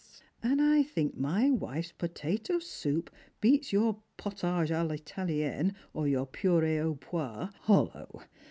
And I think my wife's potato soup beats your potage a Vltalienne or your puree aux iwis hollow.